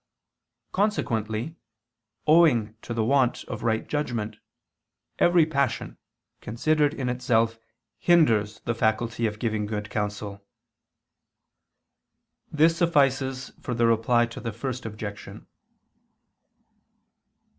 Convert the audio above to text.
Consequently owing to the want of right judgment, every passion, considered in itself, hinders the faculty of giving good counsel. This suffices for the Reply to the First Objection.